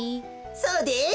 そうです。